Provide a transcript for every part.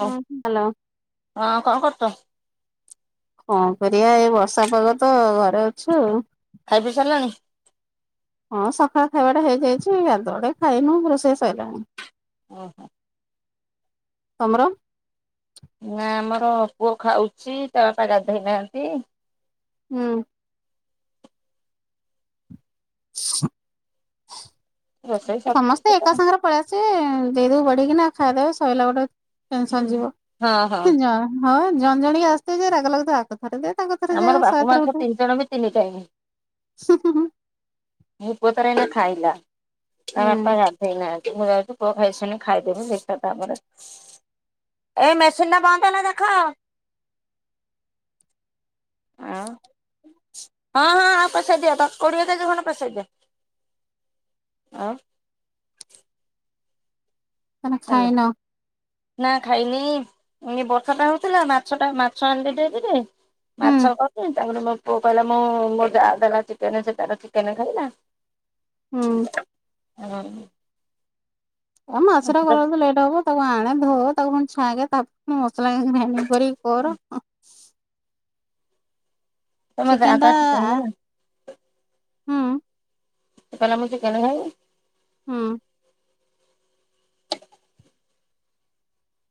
ହଉ ହଁ ହାଲୋ। ହଁ କଣ କରୁ ତୁ? କଣ କରିବା ଏଇ ବର୍ଷା ପାଗ ତ ଘରେ ଅଛୁ ଆଉ। ଖାଇ ପିଇ ସାରିଲାଣି? ହଁ ସକାଳ ଖାଇବାଟା ହେଇଯାଇଛି ଗାଧୁଡେ ଖାଇନୁ ରୁରୋଷେଇ ସରିଲାଣି। ଓହୋ। ତମର? ନା ଆମର ପୁଅ ଖାଉଛି ତା ବାପା ଗାଧୋଇ ନାହାନ୍ତି। ହୁଁ। ଆଛା। ରୋଷେଇ ସରିଛି ସମସ୍ତେ ଏକା ସେତେବେଳେ ସାଙ୍ଗରେ ପଳେଇଆସିବେ ଦେଇଦଉୁ ବଢିକିନା ଖାଇଦେବେ [unintelligible] ଟେନସନ ଯିବ, ହଁ ଜଣ ଜଣ କିଆ ଆସୁଥିବେ ଯେ ରାଗ ଲଗ [unintelligible] ଥରେ ଯାଏ ତାଙ୍କ ଥରେ ଆମର ଯାଅ ବାପୁ ମା ଶହେତର ଛୁଆ ଗଟେ ତିନି ଜଣ ବି ତିନି ଟାଇମ୍। ମୁ ଉପଥରେ ହେଲେ ଖାଇଲା ତା ବାପା ହୁଁ ସେଇନାହାନ୍ତି ମୁଁ ଯାଉଛୁ ପୁ ଖାଇସଣି ଖାଇଦେବ ଦେବୀ ଦେଖିଆ ତା ପରେ ଏ ମେସିନ୍ ଟା ବନ୍ଦ କରିଦେ। ଆଉଁ, ହଁ, ହଁ, ହଁ ଆଉ ପସେଇଦିଅ, ଦଶ କୋଡିଏ କେଜି ଖଣ୍ଡେ ପସେଇଦିଅ। ଆଉ। କନ ହେଲା ଖାଇନ? ନା ଖାଇନି, ଏ ବର୍ଷା ଟା ହଉଥିଲା ମାଛ ଟା, ମାଛ ଆଣିଲେ ଡେରିରେ। ହୁଁ ମାଛ କନି, ତା'ପରେ ମୋ ପୁଅ କହିଲା ମୁଁ ମୋ ଯା ଦେଲା ଚିକେନେ ସେତାର ଚିକେନେ ଖାଇଲା। ହୁଁ ହୁଁ। ଏ ମାଛଟା କଲାଳକୁ ତ ଲେଟ୍ ହବ। ତାକୁ ଆଣେ ଧୋ ତାକୁ ପୁଣି ଛାଁଙ୍କେ ତାପ୍ ମୁଁ, ମସଲା [unintelligible] ଗ୍ରାଇଣ୍ଡିଙ୍ଗ୍ କରିକି କର। ତମ ଯା ଚିକେନ୍ ତା, ଚିକେନ ଦେଲା ହୁଁ। ସେ କହିଲା ମୁଁ ଚିକେନେ ଖାଇବି। ହୁଁ।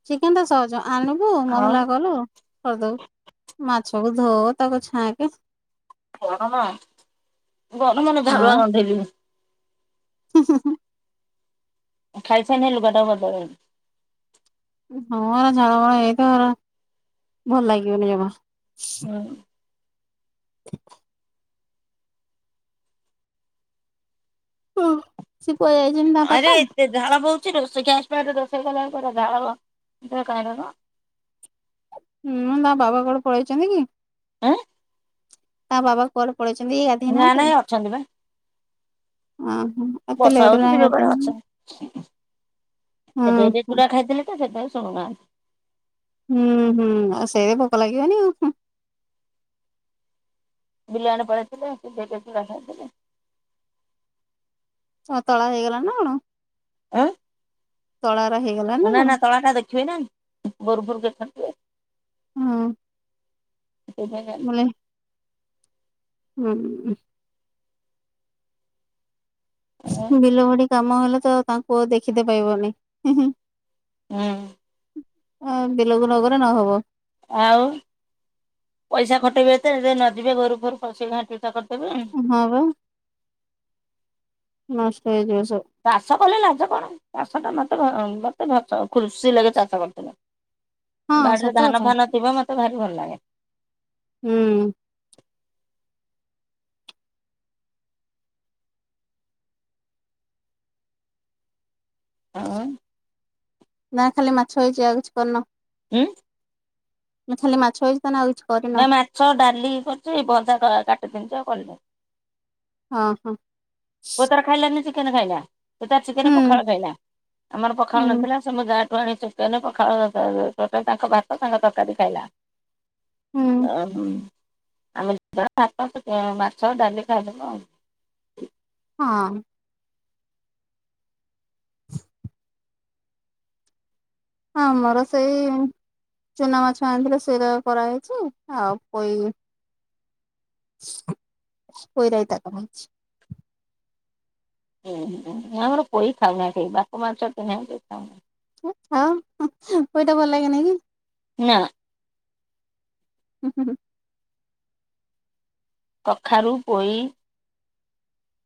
ଚିକେନ୍ ତା ସହଜ। ଆଣିବୁ ଆଉ ମସଲା କଲୁ କରିଦବୁ, ମାଛକୁ ଧୋ ତାକୁ ଛାଁ କେ। ଗରମ, ଗରମନେ ଝାଳୁଆ ଗନ୍ଧେଇଯିମୁଁ। ହୁଁ, ହୁଁ, ହୁଁ। ଖାଇସାଇନେ ଲୁଗାଟାକୁ ବଦଳେଇବୁ। ହଁ, ଝାଳ ମାଳ ହେଇଥିବ ହେରା, ଭଲ ଲାଗିବନି ଜମା। ହୁଁ। ଅଁ। ସେ ପୁଆ ଯାଇଛନି। ଆରେ, ଏତେ ଝାଳ ବହୁଛି। ରୋଷେଇ ଗ୍ୟାସ୍ ପାରେ ରୋଷେଇ କଲାଳୁ ପୁରା ଝାଳ, କାହିଁରେ କଣ? ହୁଁ, ତାଙ୍କ ବାବା କୁଆଡେ ପଳେଇଚନ୍ତି କି? ଆଁ। ତାଙ୍କ ବାବା କୁଆଡ଼େ ପଳେଇଚନ୍ତି କି ଗାଧେଇ ନା ନାହାଁନ୍ତି? ନାଇଁ ଅଛନ୍ତି ବା। ଅ ହଁ। ବର୍ଷା ହଉଛି, ଯିବେ କୁଆଡେ ଅଛନି। ହୁଁ ଏବେ ଏବେ ହୁଁ ଚୁଡା ଖାଇଥିଲେ। ସେ ସେତାଇଁ ଶୁଣନାହାନ୍ ହୁଁ, ହୁଁ, ଆଉ ସେ ବି ଭୋକ ଲାଗିବନି ଆଉ ହୁଁ। ବିଲ ଆଡ଼େ ପଳେଇଥିଲେ, ଟିକେ କେ ଚୁଡା ଖାଇଥିଲେ। ଆ ତଳା ହେଇଗଲାଣି ନା କଣ? ଆଁ। ତଳାରା ହେଇଗଲା। ଉ ନା, ନା, ତଳା ଟା ଦେଖିବେନା, ଭୋର୍ ଭୋର୍ ଦେଖନ୍ତି। ହୁଁ। ଏବେ କାଲ୍ ହୁଁ। ହୁଁ ବିଲ ଭାଡି କାମ ହେଲେ ତ, ତାଙ୍କୁ ଦେଖିତେ ପାଇବନି? ଉଁ। ଅଁ, ବିଲକୁ ନଗଲେ ନହବ। ଆଉ, ପଇସା ଖଟେଇବେ ଏତେ, ଯେ ନ ଯିବେ ଗୋରୁ ଫୋରୁ ଫସିକି ଘାଣ୍ଟି ଚକଟି ଦେବେ। ହଁ, ବା ନଷ୍ଟ ହେଇଯିବ ସବୁ। ଚାଷ କଲେ ଲାଜ କଣ? ଚାଷଟା ମୋତେ ଭ ମତେ ଭସ ଖୁସି ଲାଗେ ଚାଷ କରିଥିଲେ। ହଁ ବାଡିରେ ସତ ଧାନ କଥା। ଫାନ ଥିବ, ମତେ ଭାରି ଭଲ ଲାଗେ। ହୁଁ। ହଁ। ନା ଖାଲି ମାଛ ହେଇଛି ଆଉ କିଛି କରିନ? ହୁଁ। ଖାଲି ମାଛ ହେଇଛି ତ ନା ଆଉକିଛି ନା ମାଛ ଡାଲି ଭଜା ଭଜା କାଟିଦେଇଛି ଆଉ କଲିନି। ହଁ ହଁ। ପୁଅ ତାର ଖାଇଲାନି ଚିକେନ ଖାଇଲା ସେ ତାର ଚିକେନ ହୁଁ ପଖାଳ ଖାଇଲା ଆମର ପଖାଳ ହୁଁ ନଥିଲା ଯା ଠୁ ଆଣିନ ପଖାଳଟା ତାଙ୍କ ଭାତ ତାଙ୍କ ତରକାରୀ ଖାଇଲା। ହୁଁ ଓ ହ ଆମେ ଭାତ ମାଛ ଡାଲି ଖାଇଦବୁ ଆଉ ହଁ। ହଁ ଆମର ସେଇ ଚୁନା ମାଛ ଆଣିଥିଲେ ସେଇରା କରାହେଇଛି ଆଉ ପୋଇ ପୋଇରାଇତା ହେରିକା କରିଛି। ହୁଁ ହୁ ଆମର ପୋଇ ଖାଉନା କେହି ବାପ ମା ଛୁଆ କେହି ଖାଉନା। ହଁ ଖାଅ ପୋଇଟା ଭଲ ଲାଗେନା କି? ନା। ହୁଁ ହୁଁ। କଖାରୁ ପୋଇ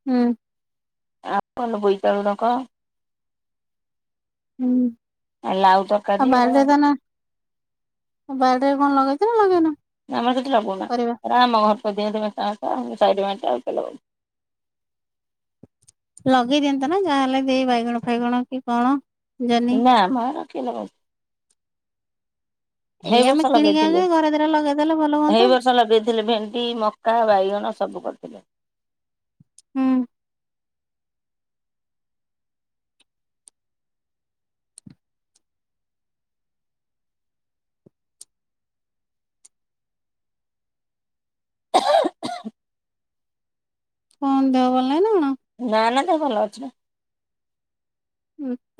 ହୁଁ। ଆଉ କଣ ବୋଇତାଳୁ ଡଙ୍କ। ହୁଁ ଲାଉ ତରକାରୀ ଏରା [inaudible] ବାରଟାରେ କଣ ଲଗେଇଛ ନା ଲଗେଇନ? ଆମର କିଛି ଲଗାଉନା [inaudible] ପରିବା? ଲଗେଇ ଦିଅନ୍ତନା ଯାହାହଲେ ଦେଇ ବାଇଗଣ ଫାଇଗଣ କି କଣ? ଜହ୍ନି ନା ଆମର କିଏ ଲଗଉଛି? ଏଇ ଆମେ ବର୍ଷ କିଣିକି ଆଣୁଛୁ ଲଗେଇଥିଲେ ଘରେ ଦିଟା ଲଗେଇଦେଲେ ଭଲ ହୁଅନ୍ତା ଏଇ ବର୍ଷ ଲଗେଇଥିଲେ ଭେଣ୍ଡି ମ କା ବାଇଗଣ ସବୁ କରିଥିଲେ। ହୁଁ। କଣ ଦେହ ଭଲ ନାଇନା କଣ? ନା ନା ଦେହ ଭଲ ଅଛି।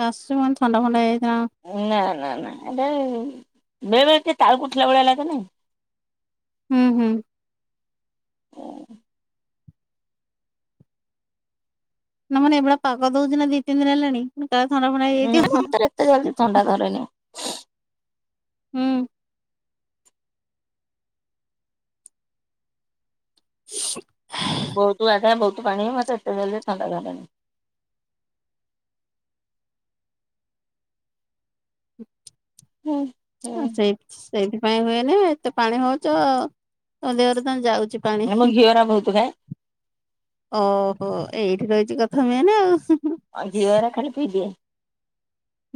କାଶ କୁନ ଥଣ୍ଡା ଫଣ୍ଡା ହେଇଯାଇଥିବ। ନା ନା ନା ଏଟା ବେଳେ ବେଳେ ଟିକେ ତାଳୁକୁ ଉଠିଲା ଭଳିଆ ଲାଗେ ନାଇଁ। ହୁଁ ହୁଁ। [inaudible] ନା ମାନେ ଏଭଳିଆ ପାଗ ଦଉଛି ନା ଦି ତିନି ଦିନ ହେଲାଣି କାଳେ ଥଣ୍ଡା ଫଣ୍ଡା ହେଇଯାଇଥିବ। କରିନି। ହୁଁ। [inaudible] ବହୁତ ଆଡେ ବହୁତ ପାଣି ମତେ [unintelligible] ହୁଁ। ହୁଁ ଆ ସେଇ ସେଇଥିପାଇଁ ହୁଏନେ ଏତେ ପାଣି ହଉଚ ତ ଦେହରେ ତମ ଯାଉଚି। ପାଣି। ଆମ ଘିଅରା ବହୁତ ଖାଏ ଓହୋ ଏଇଠି ରହିଛି କଥା ମେନେ ହୁଁ ହୁଁ। ଅ ଘିଅରା ଖାଲି ପିଇ ଦିଏ।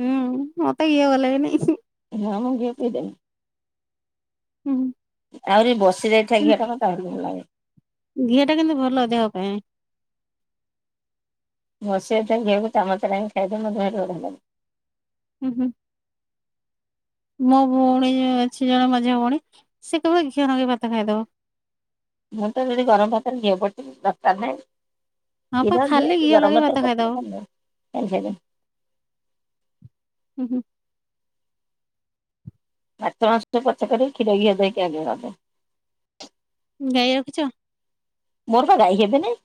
ହୁଁ ମତେ ଘିଅ ଲାଗେନି ଉଁ ହୁଁ। ହଁ ମୁଁ ଘିଅ ପିଇ ଦେମି। ହୁଁ। ଆହୂରି ବସି ଯାଇଥାଏ ଘିଅ ଟା ମତେ ଆହୁରି ଭଲ ଲାଗେ। ଘିଅ ଟା କିନ୍ତୁ ଭଲ ଦେହ ପାଇଁ। ବସି ଯାଇଥିବା ଘିଅକୁ ଚାମଚରେ ଆଣି ଖାଇବାକୁ ମତେ ଭରି ବଢ଼ିଆ ଲାଗେ। ହୁଁ ହୁଁ। ମୋ ଭଉଣୀ ଯଉ ଅଛି ଜଣେ ମଝିଆ ଭଉଣୀ ସେ କେବଳ ଘିଅ ଲଗେଇ ଭାତ ଖାଇଦବ। ମୁଁ ତ ଯଦି ଗରମ ଭାତରେ ଘିଅ ପଡିଚି ଦରକାର ନାଇଁ। ହଁ ପା କ୍ଷୀର ଘିଅ ଖାଲି [unintelligible] ଲଗେଇ ଭାତ ଖାଇଦବ। ହୁଁ ହୁଁ। ମାଛ ମାଂସ ଟିକେ ପଛେ କରିବି କ୍ଷୀର ଘିଅ ଦେଇକି ଆଗ କରିଦେମି। ଗାଈ ରଖୁଚ? ମୋର ବା ଗାଈ ହେବେନି।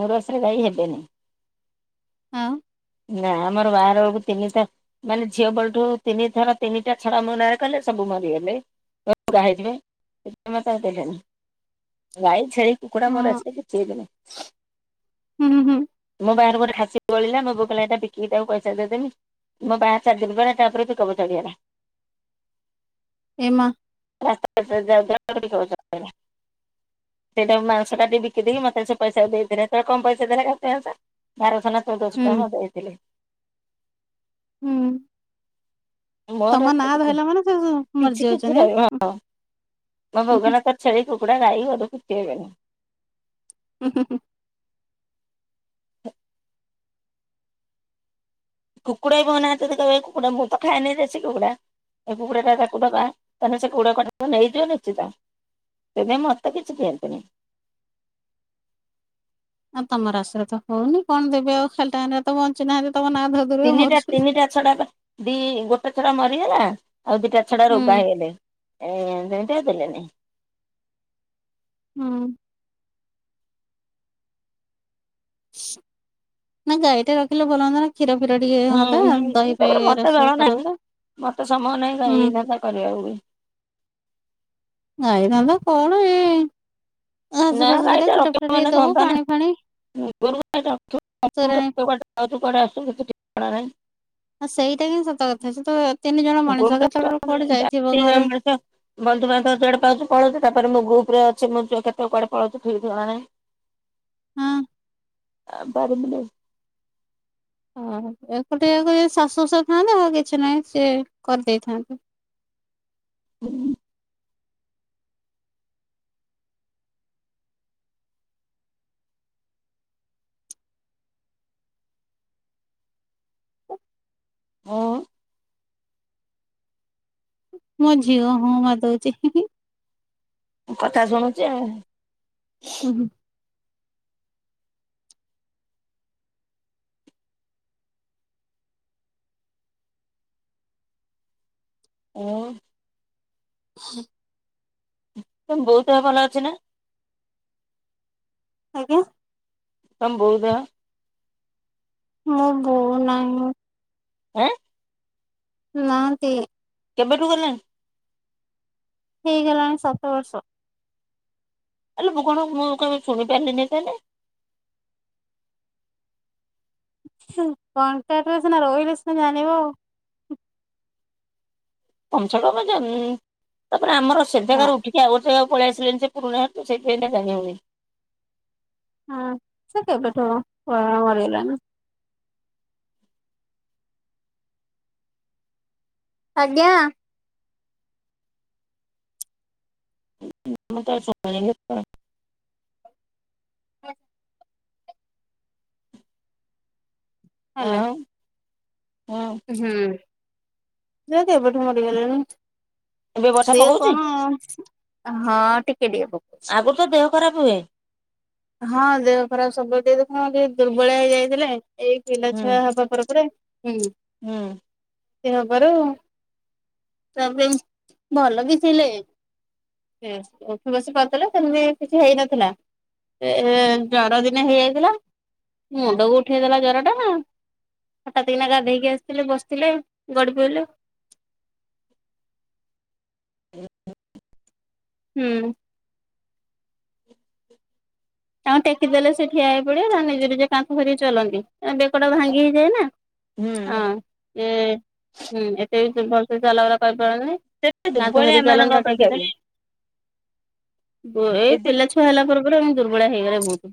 ମୋ ରାଶି ରେ ଗାଈ ହେବେନି। ହଁ। ନା ଆମର ବାହାରଳକୁ ତିନିଟା ମାନେ ଝିଅ ବେଳଠୁ ତିନି ଥର ତିନିଟା ଛଡା ମୋ ନାରେ କଲେ ସବୁ ମରିଗଲେ। [unintelligible] ମତେ ଆଉ ଦେଲେନି ଗାଈ, ଛେଳି କୁକୁଡ଼ା ମୋର ହଁ ଅଛି [unintelligible] ନାଇ। ହୁଁ ହୁଁ ହୁଁ। ମୋ ପାଖରେ ଗୋଟେ ଖାସି ବଳିଲା ମୋ ବୋଉ ଏଟା ବିକିକି ତାକୁ ପଇସା ଦେଇଦେମି ମୋ ପାଖରେ ଚାରି ଦିନ ପରେ ତାପରେ ପିକ ଅପ୍ ଚଢ଼ିଗଲା। ଏ ମା। ରାସ୍ତା ଉପରେ ଯାଉଥିଲା ପିକଅପ୍ ଚଢ଼ି ଗଲା। ସେଇଟା ମାଂସ ଟା ବି ବିକି ଦେଇକି ମତେ ସେ ପଇସା ଦେଇ ଦେଲେ ସେତେଳେ କମ ପଇସା [unintelligible] ବାରଶହ ନା ଚଉଦଶହ ହୁଁ ଟଙ୍କା ମତେ ଦେଇଥିଲେ। ହୁଁ। ମୋର ତମ ନାଁ ହେଥିରେ କିଛି ଧଇଲା ମାନେ ସେ ନାହିଁ। କିଛି କିଛି ମରିଯାଉଛନ୍ତି ଆଁ। ରହିବ ହଁ ମୋ ହୁଁ ବୋଉ ହୁଁ କହିଲା ତୋର ଛେଳି, କୁକୁଡ଼ା, ଗାଈ ଗୋରୁ ଦେଇ କିଛି ହେବେନି। ହୁଁ ହୁଁ। କୁକୁଡ଼ା [unintelligible] ମୁଁ ତ ଖଏନି ଦେଶୀ କୁକୁଡ଼ା। ଏ କୁକୁଡା ଟା ତାକୁ ଦବା ତାହେଲେ ସେ [unintelligible] ନେଇଯିବ ନିଶ୍ଚିତ। ସେଇଥିପାଇଁ ମତେ କିଛି ଦିଅନ୍ତିନୀ। ଆଉ ତମ ରାଶିରେ ତ ହଉନି କଣ ଦେବେ ଆଉ ଖାଲି ଟା ହେଲେ ବଞ୍ଚୁ ନାଆନ୍ତି ତମ ନାଁ ଧ ତିନିଟା ତିନିଟା ଛଡା ବା ଦି ଗୋଟେ ଛଡା ମରିଗଲା। ଆଉ ଦିଟା ଛଡା ହୁଁ ରୋଗା ହେଇଗଲେ ଏ ଯେମିତି ଦେଲେନି। ହୁଁ। ନା ଗାଈ ଟା ରଖିଲେ ଭଲ ମନ୍ଦ ନା କ୍ଷୀର ଫିର ଟିକିଏ ହୁଁ ହୁଁ ତାପରେ ମତେ ଦଳ ନାହିଁ ମତେ ସମୟ ନାହିଁ ଗାଈ ହୁଁ ଧନ୍ଧା କରିବାକୁ ବି ଗାଇ ଧନ୍ଦା ବାବା କଣ ଏଇ ନା ଗାଇଟା ରଖିବୁ ମାନେ ଦବୁ ଧନ୍ଦା ନା ପାଣି [inaudible] ଫାଣି ପୁର୍ବରୁ ଗାଇଟା ରଖିବ [inaudible] ତୋରାଣି କେତେକୁଆଡେ ଆଉ ତୁ କୁଆଡେ ଆସୁଛୁ କିଛି ଟିପଣା ନାହିଁ। ଆଉ ସେଇଟା ହିଁ ସତ କଥା ସେ ତ ତିନି ଜଣ ମଣିଷ ଗୋରୁଟା କେତେବେଳେ କୁଆଡେ ଯାଇଥିବ ଘରେ ବନ୍ଧୁ ବାନ୍ଧବ ଯୁଆଡେ ପାଉଛି ପଳଉଛି ତାପରେ ଗ୍ରୁପରେ ଅଛି ମୋ ଅ କେତେବେଳେ କୁଆଡେ ପଳଉଛି ଠିକ୍ ଠିକଣା ନାହିଁ। [inaudible] ହଁ। ଆ ବାରିପଟେ। ହ ଏକୁଟିଆକୁ ଶାଶୁ ଶଶୁର ଥାଆନ୍ତେ ଆଉ କିଛି ନାହିଁ ସିଏ କରିଦେଇଥାନ୍ତେ। ହୁଁ। ହଁ। ମୋ ଝିଅ ହଁ ମାର ଦଉଛି। କଥା ଶୁଣୁଛି ଆଉ ହୁଁ ହୁଁ। ହଁ। ହୁଁ। ତୋ ବୋଉ ଦେହ ଭଲ ଅଛି ନା? ଆଜ୍ଞା। ତମ ବୋଉ ଦେହ? ମୋ ବୋଉ ନାହିଁ। ହେଁ। ନାହାନ୍ତି। କେବେଠୁ ଗଲାଣି? ହେଇଗଲାଣି ସାତ ବର୍ଷ। ହେଲେ ମୁଁ କଣ ମୁଁ କେବେ ଶୁଣି ପାରିଲିନି ତାହାଲେ। ହୁଁ କଣ୍ଟାକ୍ଟରେ ସିନା ରହିଲେ ସିନା ଜାଣିବ। [inaudible] ତାପରେ ଆମର ନା ସେଠାକାର ଉଠି ଆଉ ଗୋଟେ ଯାଗାକୁ ପଳେଇଆସିଲେନି ଯେ ସେଥିପାଇଁକା ଯାଇ ହଉନି। ହଁ ସେ କେବେଠୁ ଗୟା ମରିଗଲାଣିନା। ଆଜ୍ଞା। [inaudible] କଣ? ହ୍ୟାଲୋ। ଆଉ ହଁ। ହୁଁ ସେ ପା କେବେଠୁ ମରିଗଲେଣି? ଏବେ ବର୍ଷା ସେ ପକଉଛି କଣ ହଁ ଟିକେ ଟିକେ ପ ବହୁତ ତ ଦେହ ଖରାପ ହୁଏ। ହଁ ଦେହ ଖରାପ ସବୁବେଳେ ଦେଖୁନ କେମିତି ଦୁର୍ବଳିଆ ହେଇଯାଇଥିଲେ। ଏଇ ପିଲା ହୁଁ ଛୁଆ ହବା ପରେ ପରେ, ହୁଁ। ହୁଁ। ସେ ହବାରୁ ତାପରେ ଭଲ ବି ଥିଲେ ସେ ଉଠି ବସି ପାରୁଥିଲେ ସେମିତି କିଛି ହେଇନଥିଲା ଏ ଜର ଦିନେ ହେଇଯାଇଥିଲା ମୁଣ୍ଡକୁ ଉଠିଗଲା ଜରଟା ହଠାତ କିନା ଗାଧୋଇକି ଆସିଥିଲେ ବସିଥିଲେ ଗଡି ପଇଲେ। [unintelligible] ହୁଁ। ତାଙ୍କୁ ଟେକି ଦେଲେ ସେ ଠିଆ ହେଇପଡିବେ ତାଙ୍କେ ନିଜେ ନିଜେ କାନ୍ଥ ଧରିକି ଚାଲନ୍ତି। ଏ ବେକଟା ଭାଙ୍ଗି ହେଇଯାଏ ନା ହୁଁ ଅ ହୁଁ ଏତେ- ଭଲସେ ଚଲା ବୁଲା କରିପାରନ୍ତି ନି। ସେଟା କାନ୍ଥ ଦୁର୍ବଳିଆ ଧରି ମାନଙ୍କ ଚାଲନ୍ତି ଟେକି ଅପେକ୍ଷା ବି ଦେଲେ ବୋ ଏଇ ଏ ଦି ପିଲା ଛୁଆ ଛୁଆ ହେଲା ପରେ ପରେ ମୁଁ ଦୁର୍ବଳିଆ ହେଇଗଲି ଭୋଉତୁ।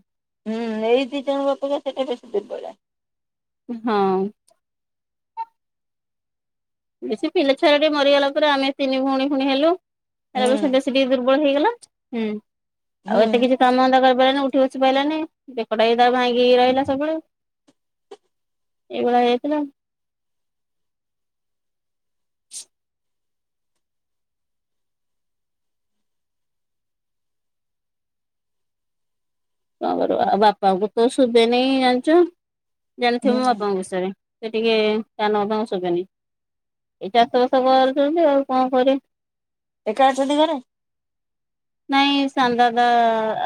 ହୁଁ, ଏଇ ଦି ଜଣଙ୍କ ଅପେକ୍ଷା ସେଇଟା ବେଶୀ ଦୁର୍ବଳିଆ। ହଁ। ବେଶୀ ପିଲା ଛୁଆରା ଟେ ମରିଗଲା ପରେ ଆମେ ତିନି ଭଉଣୀ ଫୁଣି ହେଲୁ। ତା ହୁଁ ପରେ ସେ ବେଶୀ ଟିକେ ଦୁର୍ବଳ ହେଇଗଲା, ହୁଁ, ହୁଁ ଆଉ ଏତେ କିଛି କାମ ଧଂଦା କରିପାରେନି ଉ ଠି ବସି ପାଇଲାନି ବେକଟା ବି ତାର ଭାଙ୍ଗିହେଇରହିଲା ସବୁବେଳେ। ଏଇ ଭଳିଆ ହେଇଥିଲା। କଣ କରିବ ଆଉ ବାପାଙ୍କୁ ତ ଶୁଭେ ନେଇ ଜାଣିଚ ଜାଣିଥିବ ମୋ ହୁଁ ବାପାଙ୍କ ବିଷୟରେ। ସେ ଟିକେ କାନକୁ ତାଙ୍କ ଶୁଭେନି। ଏଇ ଚାଷବାସ କରୁଚନ୍ତି, ଆଉ କଣ କରିବେ? ଏକା ଅଛନ୍ତି ଘରେ? ନାଇଁ ସାନ ଦାଦା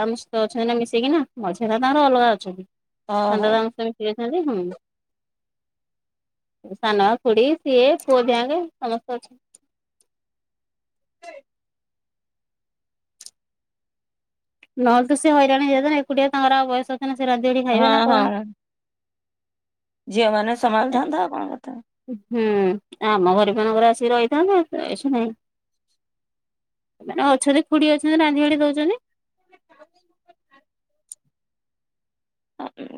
ଆମ ସହିତ ଅଛନ୍ତି ନା ମିସ୍ ସିକିିନା ମଝିଆ ଦାଦା ଙ୍କର ଅଲଗା ଅଛନ୍ତି, ସ ଓହୋ ସାନଦାଦା ଙ୍କ ମିସିକି ଅଛନ୍ତି। ହୁଁ। ସାନ ଖୁଡି ସିଏ ପୁଅ ଦିଆଙ୍କେ ସମସ୍ତେ ଅଛନ୍ତି। ନହଲେ ତ ସେ ହଇରାଣ ହେଇଯାଇଥାଏ ନା, ଏକୁଟିଆ ତାଙ୍କର ଆଉ ବୟସ ଅଛି ନା ସେ ରାନ୍ଧି ବାଢି ହଁ ଖାଇବେ ନା କଣ? ହଁ ଝିଅ ମାନେ ସମାଳିଥାନ୍ତେ, ଆଉ କଣ କଥାନ୍ତେ। ହୁଁ, ଆମ ଘରେ କଣ ଗୁରେ ଆସିକି ରହିଥାନ୍ତେ [unintelligible] ନାଇଁ। ସେ ମାନେ ଅଛନି ଖୁଡି ଅଛନ୍ତି, ରାନ୍ଧି ବାଢି ଦଉଚନ୍ତି। [unintelligible]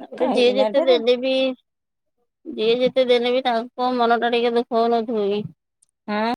ତା ପରେ ଯିଏ ଯେତେ ଦେଲେ ବି ଯିଏ ଯେତେ ଦେଲେ ବିି ତାଙ୍କ ମନ ଟା ଟିକେ ଦୁଃଖ ହଉନଥିବ କି? ହାଁ